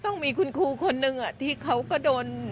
ต้องมีคุณครูคนนึงที่เขาก็โดน